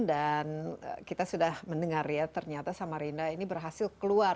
dan kita sudah mendengar ya ternyata samarinda ini berhasil keluar